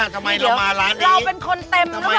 ทำไมเรามาร้านนี้เราเป็นคนเต็มแล้วเหรอเนี่ย